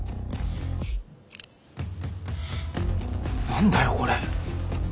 何だよこれ。